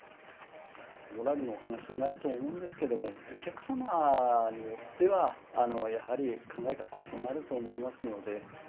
モラルのお話になると思うんですけど、お客様によっては、やはり考えが異なると思いますので。